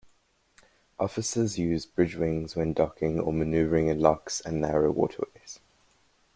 Officers use bridge wings when docking or maneuvering in locks and narrow waterways.